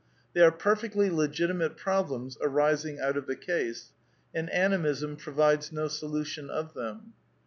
They are perfectly legitimate problems arising out of the case ; and Animism provides no solution of them.